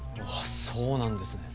そうなんですね。